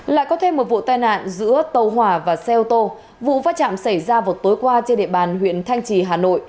lại có thêm một vụ tai nạn giữa tàu hỏa và xe ô tô vụ va chạm xảy ra vào tối qua trên địa bàn huyện thanh trì hà nội